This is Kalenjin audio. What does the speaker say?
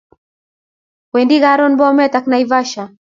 Wendi karun Bomet ak Naivasha